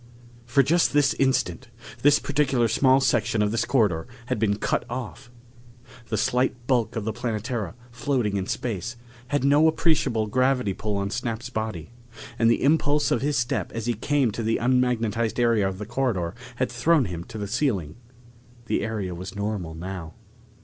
For just this instant, this particular small section of this corridor had been cut off. The slight bulk of the Planetara, floating in space, had no appreciable gravity pull on Snap's body, and the impulse of his step as he came to the unmagnetized area of the corridor had thrown him to the ceiling. The area was normal now.